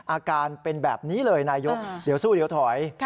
อาการเป็นแบบนี้เลยนายกเดี๋ยวสู้เดี๋ยวถอย